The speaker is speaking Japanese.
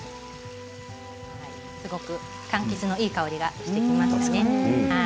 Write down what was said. すごく、かんきつのいい香りがしてきましたね。